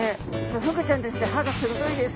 フグちゃんたちって歯が鋭いです。